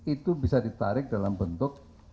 itu bisa ditarik dalam bentuk